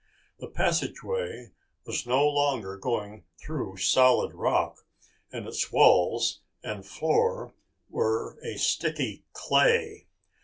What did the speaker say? The passageway was no longer going through solid rock, and its walls and floor were a sticky clay.